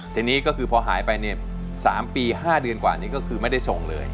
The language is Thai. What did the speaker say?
ทีนี้ก็คือพอหายไปเนี่ย๓ปี๕เดือนกว่านี้ก็คือไม่ได้ส่งเลย